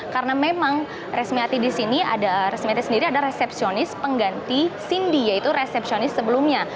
karena memang resmiati di sini resmiati sendiri ada resepsionis pengganti cindy yaitu resepsionis sebelumnya